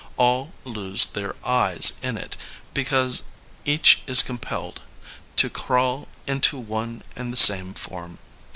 All lose their I*s in it because each is compelled ^Ho crawl into one and the same form."